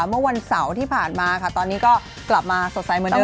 เมื่อวันเสาร์ที่ผ่านมาค่ะตอนนี้ก็กลับมาสดใสเหมือนเดิ